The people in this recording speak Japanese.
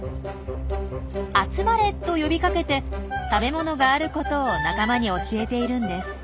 「集まれ！」と呼びかけて食べ物があることを仲間に教えているんです。